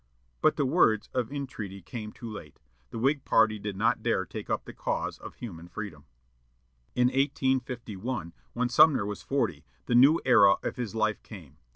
But the words of entreaty came too late; the Whig party did not dare take up the cause of human freedom. In 1851, when Sumner was forty, the new era of his life came.